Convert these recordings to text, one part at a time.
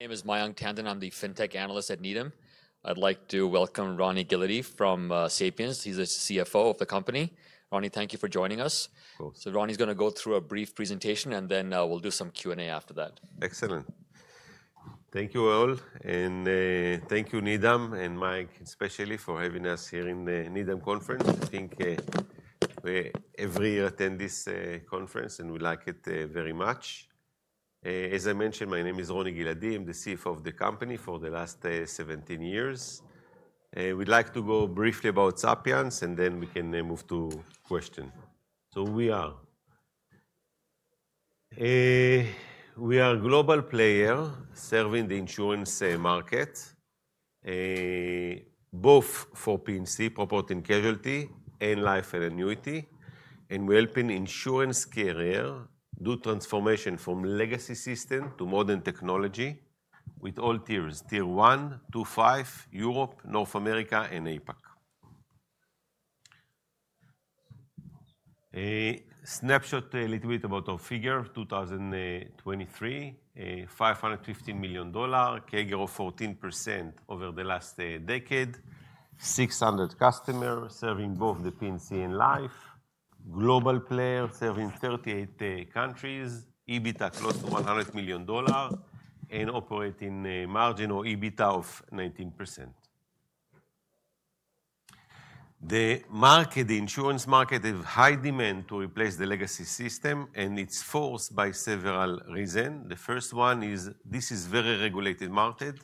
I'm Mayank Tandon. I'm the FinTech analyst at Needham. I'd like to welcome Roni Giladi from Sapiens. He's the CFO of the company. Roni, thank you for joining us. Cool. So Roni's going to go through a brief presentation, and then we'll do some Q&A after that. Excellent. Thank you all. And thank you, Needham, and Mike especially, for having us here in the Needham Conference. I think every year we attend this conference, and we like it very much. As I mentioned, my name is Roni Giladi. I'm the CFO of the company for the last 17 years. We'd like to go briefly about Sapiens, and then we can move to questions. So who we are? We are a global player serving the insurance market, both for P&C, property and casualty, and life and annuity. And we're helping insurance carriers do transformation from legacy systems to modern technology with all tiers: Tier 1 to 5, Europe, North America, and APAC. A snapshot a little bit about our figure: 2023, $515 million, CAGR of 14% over the last decade, 600 customers serving both the P&C and life, global player serving 38 countries, EBITDA close to $100 million, and operating margin or EBITDA of 19%. The insurance market has high demand to replace the legacy system, and it's forced by several reasons. The first one is this is a very regulated market.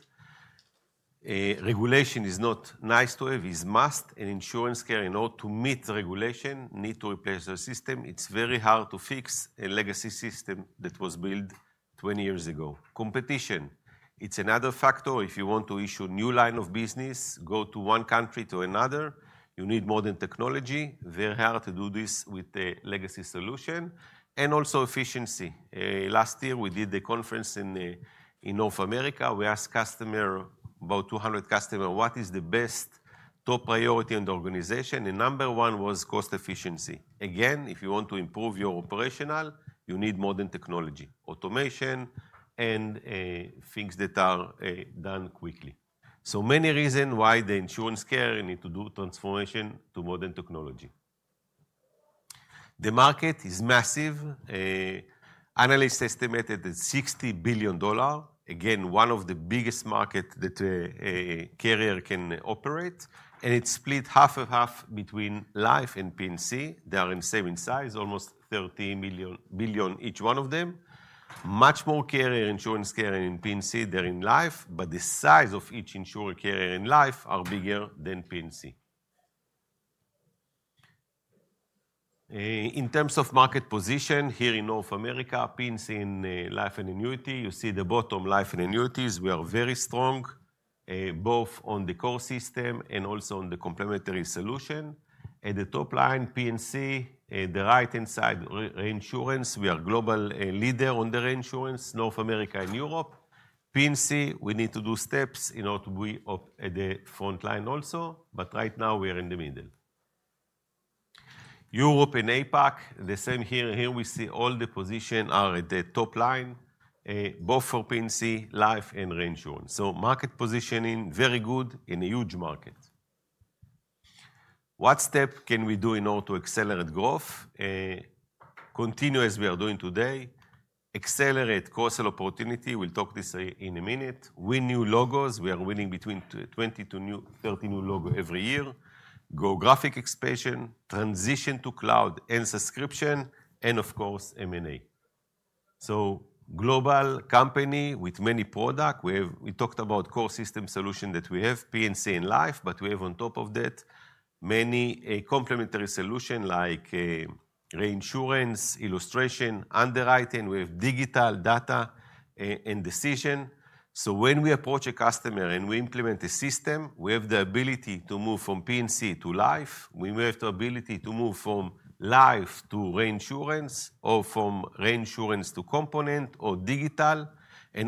Regulation is not nice to have; it's a must, and insurance carriers, in order to meet regulation, need to replace their systems. It's very hard to fix a legacy system that was built 20 years ago. Competition. It's another factor. If you want to issue a new line of business, go from one country to another, you need modern technology. Very hard to do this with the legacy solution, and also efficiency. Last year, we did a conference in North America. We asked customers, about 200 customers, what is the best top priority in the organization, and number one was cost efficiency. Again, if you want to improve your operational, you need modern technology, automation, and things that are done quickly, so many reasons why the insurance carriers need to do transformation to modern technology. The market is massive. Analysts estimate it at $60 billion. Again, one of the biggest markets that a carrier can operate, and it's split half and half between life and P&C. They are the same in size, almost $30 billion each one of them. Much more carriers, insurance carriers in P&C than in life, but the size of each insurer carrier in life is bigger than P&C. In terms of market position here in North America, P&C in life and annuity, you see the bottom life and annuities. We are very strong, both on the core system and also on the complementary solution. At the top line, P&C, the right-hand side reinsurance, we are a global leader on the reinsurance, North America and Europe. P&C, we need to do steps in order to be at the front line also. But right now, we are in the middle. Europe and APAC, the same here. Here we see all the positions are at the top line, both for P&C, life, and reinsurance. So market positioning is very good in a huge market. What steps can we do in order to accelerate growth? Continue as we are doing today. Accelerate cost and opportunity. We'll talk this in a minute. Win new logos.fg We are winning between 20-30 new logos every year. Geographic expansion, transition to cloud and subscription, and of course, M&A, so global company with many products. We talked about core system solutions that we have, P&C and life. But we have, on top of that, many complementary solutions like reinsurance, illustration, underwriting. We have digital data and decision. When we approach a customer and we implement a system, we have the ability to move from P&C to life. We have the ability to move from life to reinsurance, or from reinsurance to P&C, or digital.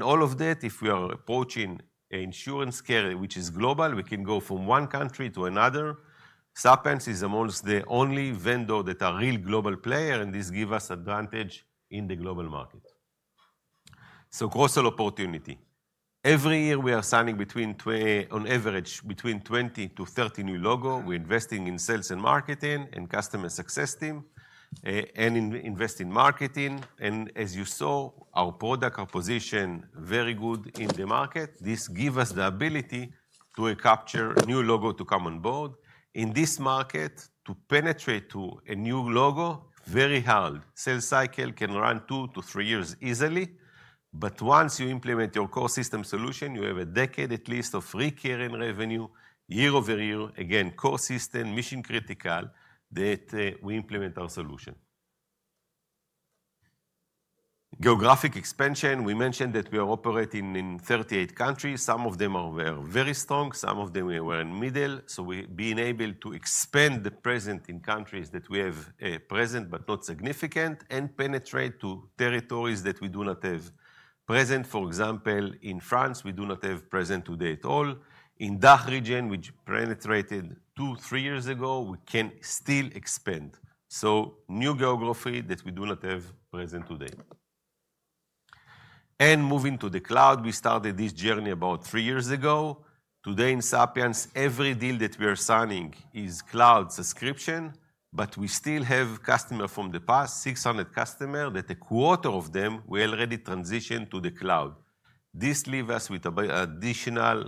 All of that, if we are approaching an insurance carrier which is global, we can go from one country to another. Sapiens is among the only vendors that are a real global player. This gives us advantage in the global market. Cost and opportunity. Every year, we are signing on average between 20 to 30 new logos. We're investing in sales and marketing and customer success team, and investing in marketing. And as you saw, our products are positioned very good in the market. This gives us the ability to capture new logos to come on board. In this market, to penetrate a new logo, very hard. Sales cycle can run two to three years easily. But once you implement your core system solution, you have a decade at least of recurring revenue year over year. Again, core system, mission critical that we implement our solution. Geographic expansion. We mentioned that we are operating in 38 countries. Some of them are very strong. Some of them we are in the middle. So, being able to expand the presence in countries that we have present but not significant, and penetrate to territories that we do not have present. For example, in France, we do not have present today at all. In the DACH region, which penetrated two, three years ago, we can still expand. So new geography that we do not have present today. And moving to the cloud, we started this journey about three years ago. Today in Sapiens, every deal that we are signing is cloud subscription. But we still have customers from the past, 600 customers, that a quarter of them we already transitioned to the cloud. This leaves us with an additional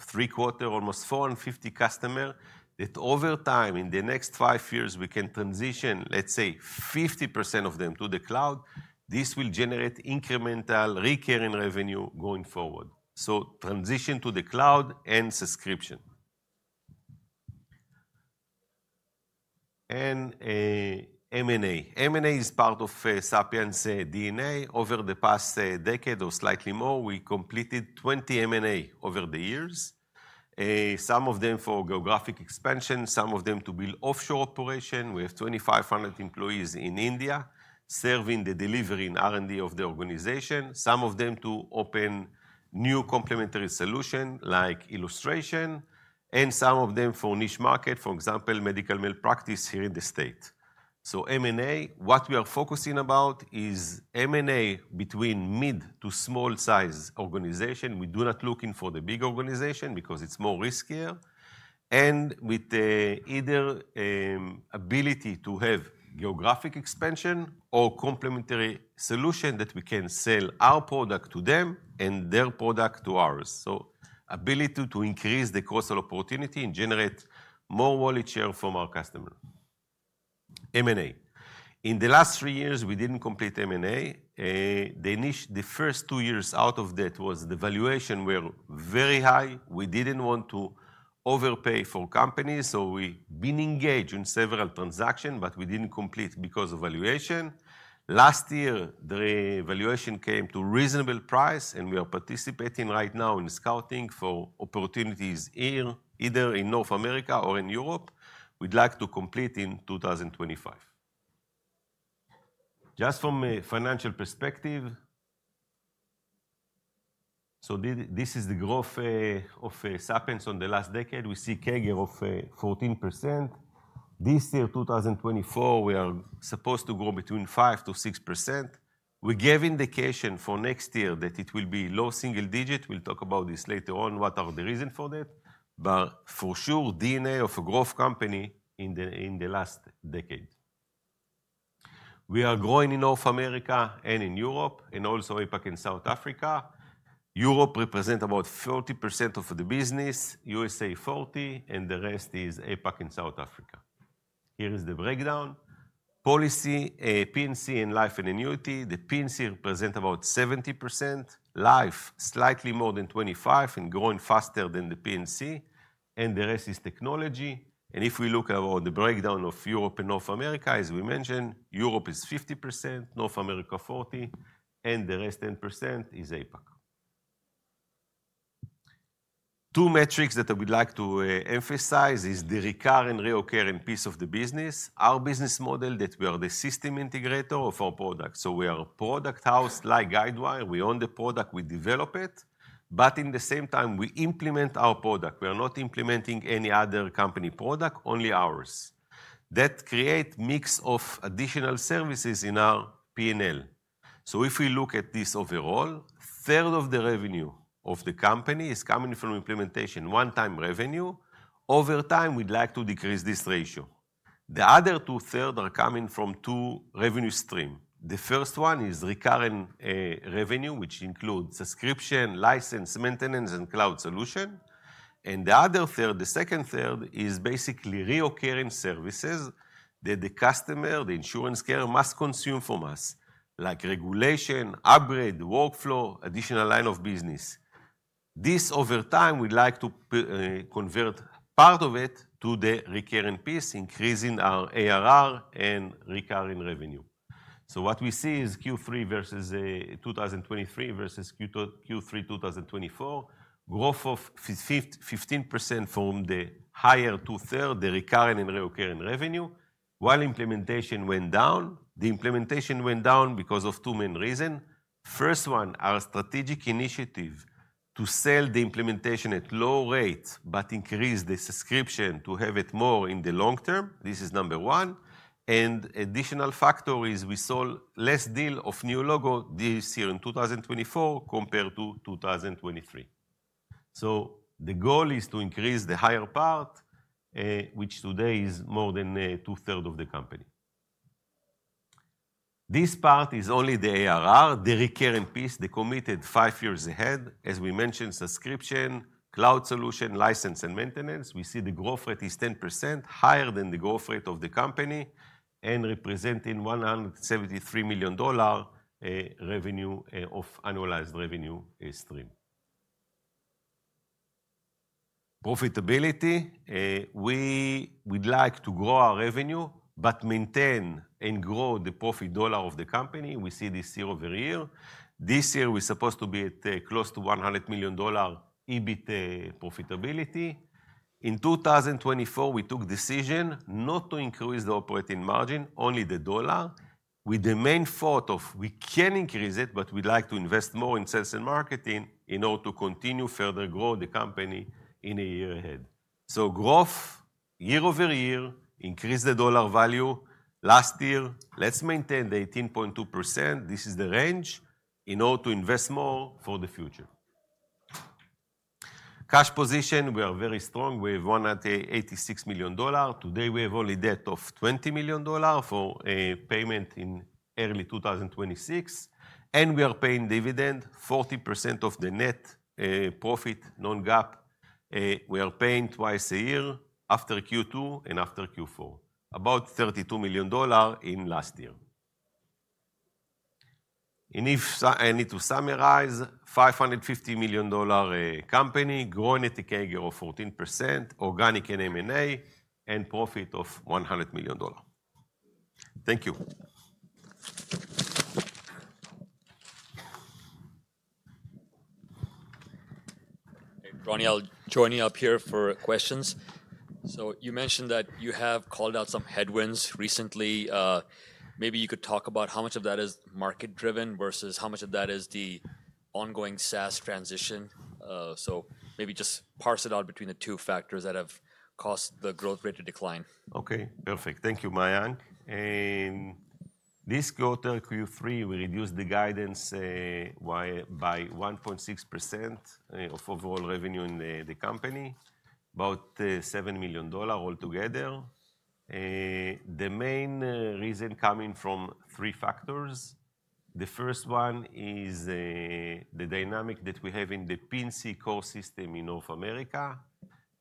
three quarters, almost 450 customers, that over time, in the next five years, we can transition, let's say, 50% of them to the cloud. This will generate incremental recurring revenue going forward. So, transition to the cloud and subscription. And M&A. M&A is part of Sapiens' DNA. Over the past decade, or slightly more, we completed 20 M&As over the years. Some of them for geographic expansion. Some of them to build offshore operations. We have 2,500 employees in India serving the delivery and R&D of the organization. Some of them to open new complementary solutions like illustration. And some of them for niche markets, for example, medical malpractice here in the state. So, M&A—what we are focusing about is M&A between mid- to small-sized organizations. We do not look for the big organization because it's more riskier. And with either the ability to have geographic expansion or complementary solutions that we can sell our product to them and their product to ours. So, ability to increase the cost and opportunity and generate more wallet share from our customers. M&A. In the last three years, we didn't complete M&A. The first two years out of that was the valuation were very high. We didn't want to overpay for companies, so we've been engaged in several transactions, but we didn't complete because of valuation. Last year, the valuation came to a reasonable price, and we are participating right now in scouting for opportunities here either in North America or in Europe. We'd like to complete in 2025. Just from a financial perspective, so this is the growth of Sapiens on the last decade. We see CAGR of 14%. This year, 2024, we are supposed to grow between 5%-6%. We gave an indication for next year that it will be low single digit. We'll talk about this later on, what are the reasons for that, but for sure, DNA of a growth company in the last decade. We are growing in North America and in Europe, and also APAC and South Africa. Europe represents about 40% of the business. USA 40%. And the rest is APAC and South Africa. Here is the breakdown. Policy, P&C, and life and annuity. The P&C represents about 70%. Life slightly more than 25% and growing faster than the P&C. And the rest is technology. And if we look at the breakdown of Europe and North America, as we mentioned, Europe is 50%, North America 40%, and the rest 10% is APAC. Two metrics that I would like to emphasize are the recurring piece of the business, our business model, that we are the system integrator of our products. So we are a product house like Guidewire. We own the product. We develop it. But at the same time, we implement our product. We are not implementing any other company product, only ours. That creates a mix of additional services in our P&L. So if we look at this overall, a third of the revenue of the company is coming from implementation, one-time revenue. Over time, we'd like to decrease this ratio. The other two-thirds are coming from two revenue streams. The first one is recurring revenue, which includes subscription, license, maintenance, and cloud solutions. And the other third, the second third, is basically recurring services that the customer, the insurance carrier, must consume from us, like regulation, upgrade, workflow, additional line of business. This, over time, we'd like to convert part of it to the recurring piece, increasing our ARR and recurring revenue. So what we see is Q3 versus 2023 versus Q3 2024, growth of 15% from the higher two-thirds, the recurring and recurring revenue, while implementation went down. The implementation went down because of two main reasons. First one, our strategic initiative to sell the implementation at low rates but increase the subscription to have it more in the long term. This is number one, and additional factor is we saw less deals of new logos this year in 2024 compared to 2023, so the goal is to increase the higher part, which today is more than two-thirds of the company. This part is only the ARR, the recurring piece, the committed five years ahead. As we mentioned, subscription, cloud solution, license, and maintenance, we see the growth rate is 10%, higher than the growth rate of the company, and representing $173 million revenue of annualized revenue stream. Profitability. We would like to grow our revenue but maintain and grow the profit dollar of the company. We see this year over year. This year, we're supposed to be at close to $100 million EBIT profitability. In 2024, we took a decision not to increase the operating margin, only the dollar, with the main thought of we can increase it, but we'd like to invest more in sales and marketing in order to continue further growing the company in a year ahead. So growth year over year, increase the dollar value. Last year, let's maintain the 18.2%. This is the range in order to invest more for the future. Cash position, we are very strong. We have $186 million. Today, we have only debt of $20 million for payment in early 2026. And we are paying dividend, 40% of the net profit, non-GAAP. We are paying twice a year after Q2 and after Q4, about $32 million in last year. If I need to summarize, $550 million company, growing at a CAGR of 14%, organic and M&A, and profit of $100 million. Thank you. Roni, I'll join you up here for questions. So you mentioned that you have called out some headwinds recently. Maybe you could talk about how much of that is market-driven versus how much of that is the ongoing SaaS transition. So maybe just parse it out between the two factors that have caused the growth rate to decline. OK, perfect. Thank you, Mayank. This quarter, Q3, we reduced the guidance by 1.6% of overall revenue in the company, about $7 million altogether. The main reason coming from three factors. The first one is the dynamic that we have in the P&C core system in North America.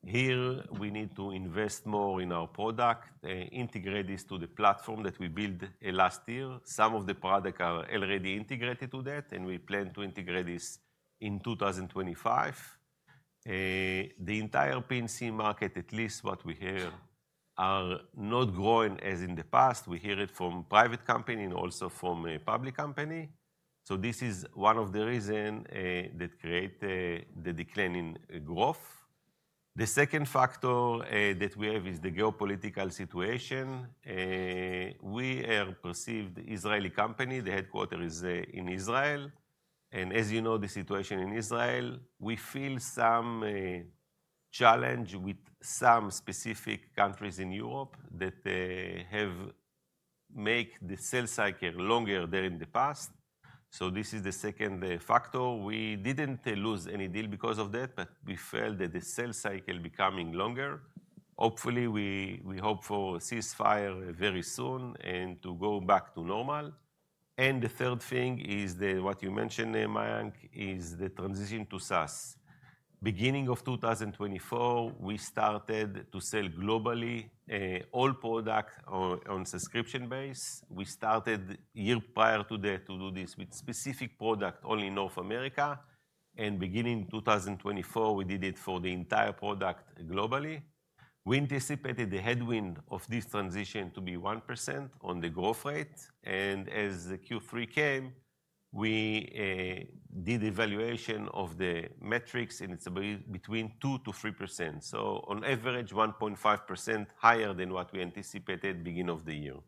Here, we need to invest more in our product, integrate this to the platform that we built last year. Some of the products are already integrated to that. We plan to integrate this in 2025. The entire P&C market, at least what we hear, are not growing as in the past. We hear it from private companies and also from public companies. So this is one of the reasons that created the declining growth. The second factor that we have is the geopolitical situation. We are perceived as an Israeli company. The headquarters is in Israel. As you know, the situation in Israel, we feel some challenge with some specific countries in Europe that have made the sales cycle longer than in the past. So this is the second factor. We didn't lose any deal because of that, but we felt that the sales cycle is becoming longer. Hopefully, we hope for a ceasefire very soon and to go back to normal. And the third thing is what you mentioned, Mayank, is the transition to SaaS. Beginning of 2024, we started to sell globally all products on a subscription base. We started a year prior to that to do this with a specific product only in North America. And beginning 2024, we did it for the entire product globally. We anticipated the headwind of this transition to be 1% on the growth rate. And as Q3 came, we did an evaluation of the metrics, and it's between 2%-3%. So on average, 1.5% higher than what we anticipated at the beginning of the year.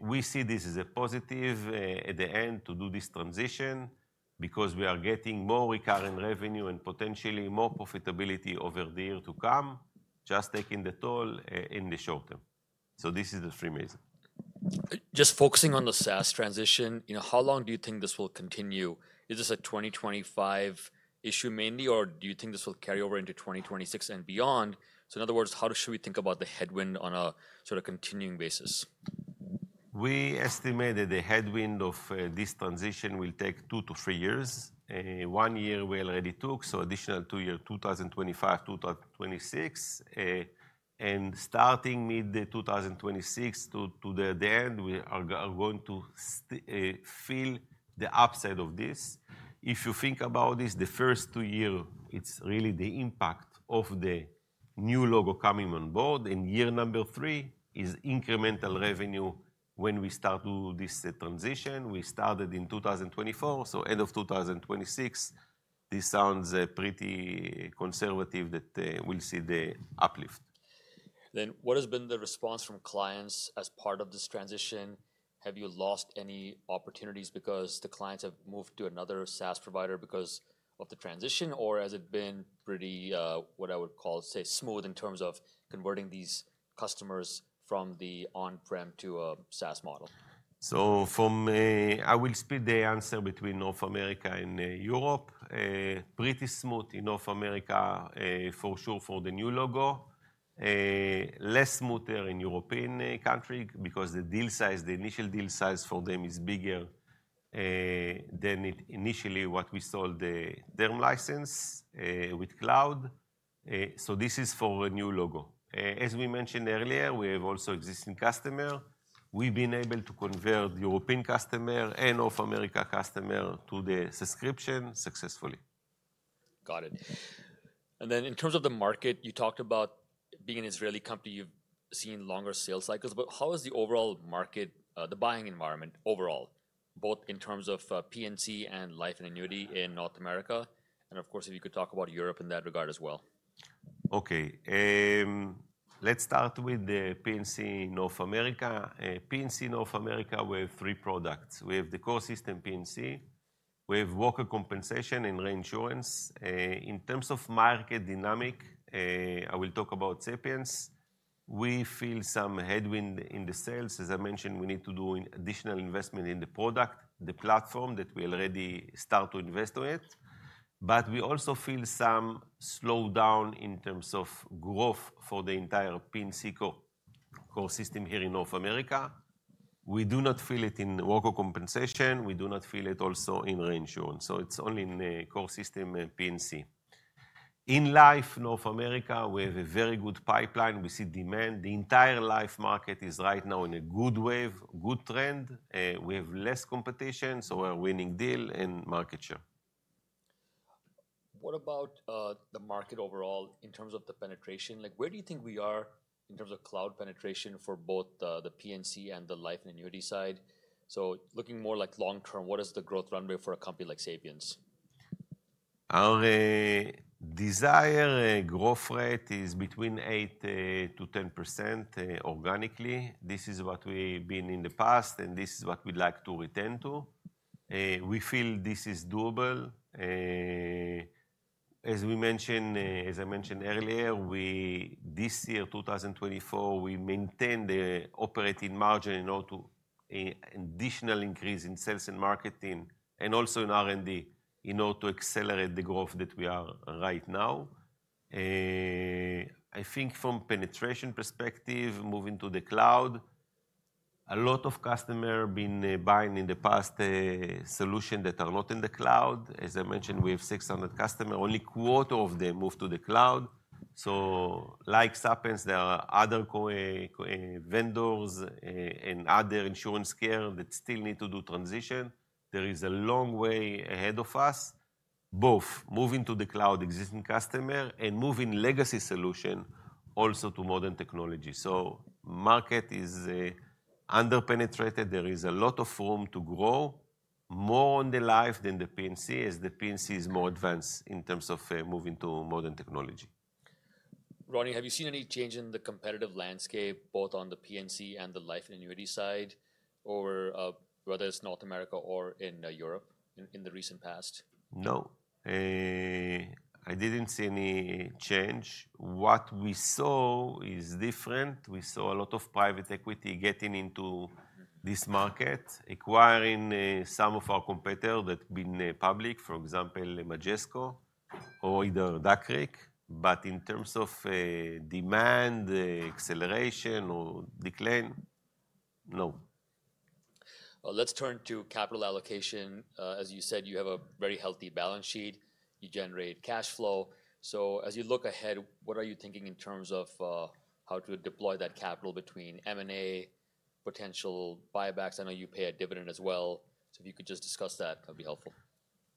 We see this as a positive at the end to do this transition because we are getting more recurring revenue and potentially more profitability over the year to come, just taking the toll in the short term. So this is the three majors. Just focusing on the SaaS transition, how long do you think this will continue? Is this a 2025 issue mainly, or do you think this will carry over into 2026 and beyond? So in other words, how should we think about the headwind on a sort of continuing basis? We estimate that the headwind of this transition will take two to three years. One year we already took, so additional two years, 2025, 2026. And starting mid-2026 to the end, we are going to feel the upside of this. If you think about this, the first two years, it's really the impact of the new logo coming on board. And year number three is incremental revenue when we start to do this transition. We started in 2024. So end of 2026, this sounds pretty conservative that we'll see the uplift. Then what has been the response from clients as part of this transition? Have you lost any opportunities because the clients have moved to another SaaS provider because of the transition? Or has it been pretty, what I would call, say, smooth in terms of converting these customers from the on-prem to a SaaS model? So I will split the answer between North America and Europe. Pretty smooth in North America, for sure, for the new logo. Less smoother in European countries because the deal size, the initial deal size for them is bigger than initially what we sold the term license with cloud. So this is for a new logo. As we mentioned earlier, we have also existing customers. We've been able to convert European customers and North America customers to the subscription successfully. Got it. And then in terms of the market, you talked about being an Israeli company. You've seen longer sales cycles. But how is the overall market, the buying environment overall, both in terms of P&C and life and annuity in North America? And of course, if you could talk about Europe in that regard as well. OK, let's start with the P&C North America. P&C North America, we have three products. We have the core system P&C. We have Workers' Compensation and reinsurance. In terms of market dynamic, I will talk about Sapiens. We feel some headwind in the sales. As I mentioned, we need to do additional investment in the product, the platform that we already start to invest on it. But we also feel some slowdown in terms of growth for the entire P&C core system here in North America. We do not feel it in Workers' Compensation. We do not feel it also in reinsurance. So it's only in the core system P&C. In life North America, we have a very good pipeline. We see demand. The entire life market is right now in a good wave, good trend. We have less competition. So we are winning deal and market share. What about the market overall in terms of the penetration? Where do you think we are in terms of cloud penetration for both the P&C and the life and annuity side? So looking more like long term, what is the growth runway for a company like Sapiens? Our desired growth rate is between 8%-10% organically. This is what we've been in the past, and this is what we'd like to return to. We feel this is doable. As we mentioned, as I mentioned earlier, this year, 2024, we maintain the operating margin in order to additionally increase in sales and marketing and also in R&D in order to accelerate the growth that we are right now. I think from a penetration perspective, moving to the cloud, a lot of customers have been buying in the past solutions that are not in the cloud. As I mentioned, we have 600 customers. Only a quarter of them moved to the cloud. So like Sapiens, there are other vendors and other insurance carriers that still need to do transition. There is a long way ahead of us, both moving to the cloud existing customer and moving legacy solution also to modern technology. So the market is under-penetrated. There is a lot of room to grow more on the life than the P&C as the P&C is more advanced in terms of moving to modern technology. Roni, have you seen any change in the competitive landscape both on the P&C and the life and annuity side, whether it's North America or in Europe in the recent past? No. I didn't see any change. What we saw is different. We saw a lot of private equity getting into this market, acquiring some of our competitors that have been public, for example, Majesco or either Duck Creek. But in terms of demand, acceleration, or decline, no. Let's turn to capital allocation. As you said, you have a very healthy balance sheet. You generate cash flow. So as you look ahead, what are you thinking in terms of how to deploy that capital between M&A, potential buybacks? I know you pay a dividend as well. So if you could just discuss that, that would be helpful.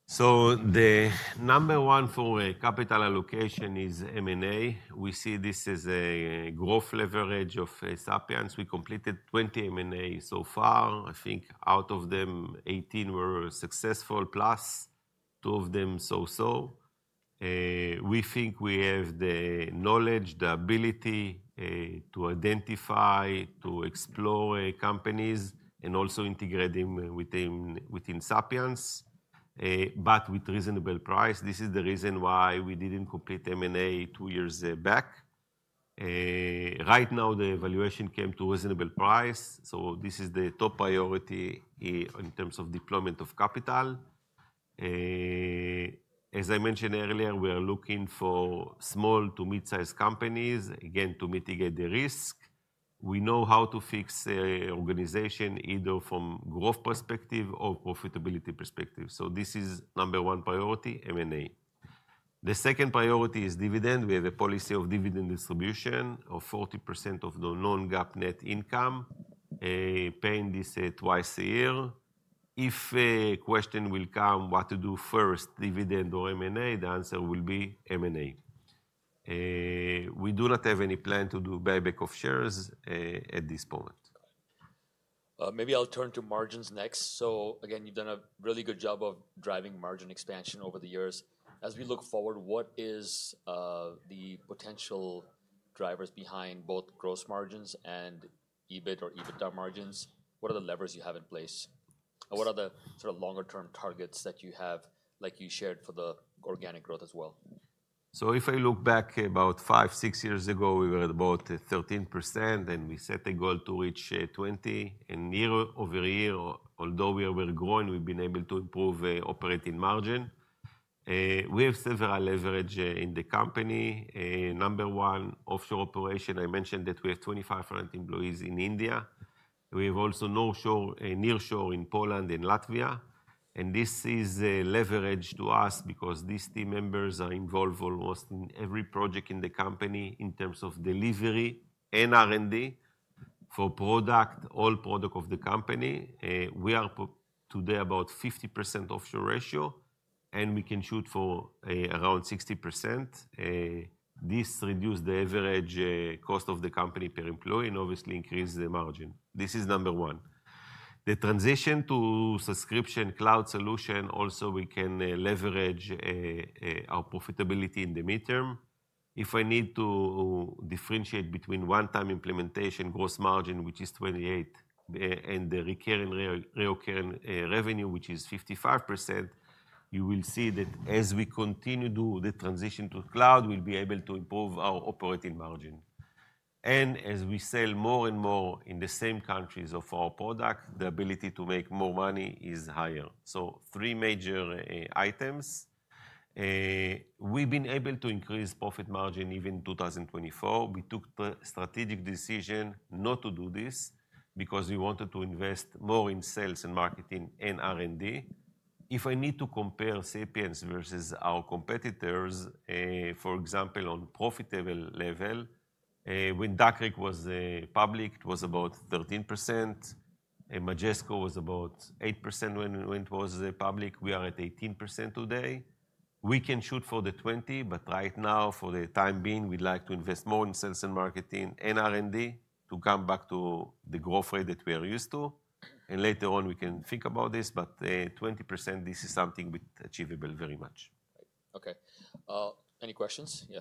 So the number one for capital allocation is M&A. We see this as a growth leverage of Sapiens. We completed 20 M&As so far. I think out of them, 18 were successful, plus two of them so-so. We think we have the knowledge, the ability to identify, to explore companies, and also integrate them within Sapiens but with reasonable price. This is the reason why we didn't complete M&A two years back. Right now, the valuation came to reasonable price. So this is the top priority in terms of deployment of capital. As I mentioned earlier, we are looking for small to mid-sized companies, again, to mitigate the risk. We know how to fix the organization either from a growth perspective or profitability perspective. So this is number one priority, M&A. The second priority is dividend. We have a policy of dividend distribution of 40% of the non-GAAP net income, paying this twice a year. If a question will come, what to do first, dividend or M&A, the answer will be M&A. We do not have any plan to do buyback of shares at this point. Maybe I'll turn to margins next. So again, you've done a really good job of driving margin expansion over the years. As we look forward, what are the potential drivers behind both gross margins and EBIT or EBITDA margins? What are the levers you have in place? What are the sort of longer-term targets that you have, like you shared, for the organic growth as well? So if I look back about five, six years ago, we were at about 13%. And we set a goal to reach 20%. Year over year, although we were growing, we've been able to improve operating margin. We have several leverages in the company. Number one, offshore operation. I mentioned that we have 2,500 employees in India. We have also nearshore in Poland and Latvia. And this is leverage to us because these team members are involved almost in every project in the company in terms of delivery and R&D for product, all product of the company. We are today about 50% offshore ratio. And we can shoot for around 60%. This reduces the average cost of the company per employee and obviously increases the margin. This is number one. The transition to subscription cloud solution also, we can leverage our profitability in the midterm. If I need to differentiate between one-time implementation gross margin, which is 28%, and the recurring revenue, which is 55%, you will see that as we continue to do the transition to cloud, we'll be able to improve our operating margin. And as we sell more and more in the same countries of our product, the ability to make more money is higher. Three major items. We've been able to increase profit margin even in 2024. We took the strategic decision not to do this because we wanted to invest more in sales and marketing and R&D. If I need to compare Sapiens versus our competitors, for example, on a profitable level, when Duck Creek was public, it was about 13%. Majesco was about 8% when it was public. We are at 18% today. We can shoot for the 20%. But right now, for the time being, we'd like to invest more in sales and marketing and R&D to come back to the growth rate that we are used to. And later on, we can think about this. But 20%, this is something achievable very much. OK. Any questions? Yeah.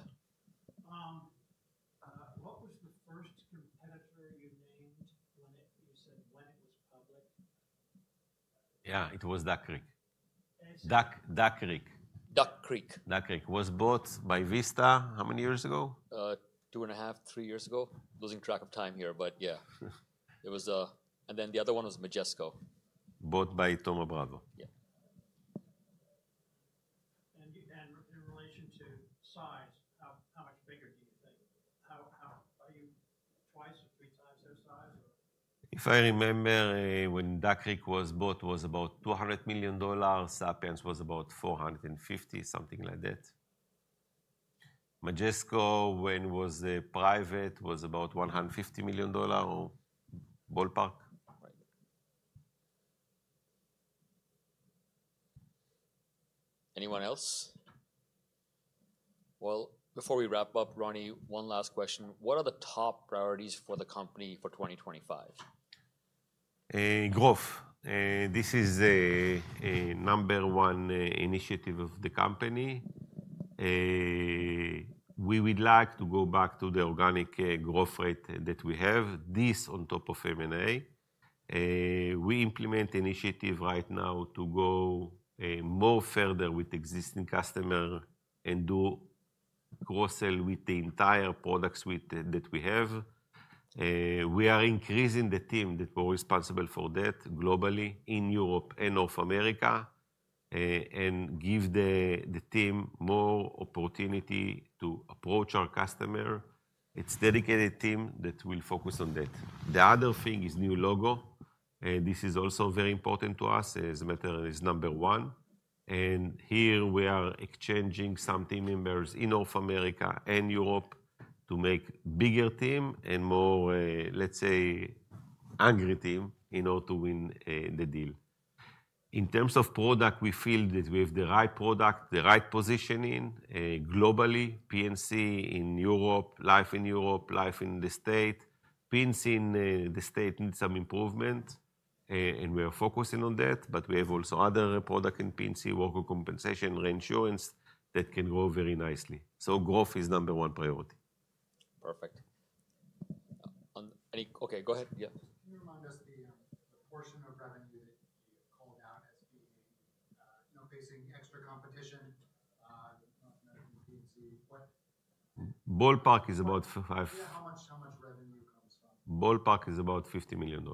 What was the first competitor you named when you said when it was public? Yeah, it was Duck Creek. Duck Creek was bought by Vista how many years ago? Two and a half, three years ago. Losing track of time here. But yeah, it was. And then the other one was Majesco. Bought by Thoma Bravo. Yeah. And in relation to size, how much bigger do you [inaudible] If I remember, when Duck Creek was bought, it was about $200 million. Sapiens was about $450, something like that. Majesco, when it was private, was about $150 million, ballpark. Anyone else? Well, before we wrap up, Roni, one last question. What are the top priorities for the company for 2025? Growth. This is the number one initiative of the company. We would like to go back to the organic growth rate that we have, this on top of M&A. We implement initiatives right now to go more further with existing customers and do cross-sell with the entire product suite that we have. We are increasing the team that we're responsible for that globally in Europe and North America and give the team more opportunity to approach our customers. It's a dedicated team that will focus on that. The other thing is new logo. This is also very important to us as matter is number one. Here, we are exchanging some team members in North America and Europe to make a bigger team and more, let's say, angry team in order to win the deal. In terms of product, we feel that we have the right product, the right positioning globally, P&C in Europe, life in Europe, life in the States. P&C in the States needs some improvement. We are focusing on that. But we have also other products in P&C, workers' compensation, reinsurance that can grow very nicely. So growth is number one priority. Perfect. OK, go ahead. Yeah. Can you remind us the portion of revenue that you've called out as being facing extra competition? [inaudible] Ballpark is about 5%. Yeah, how much revenue comes from? Ballpark is about $50 million.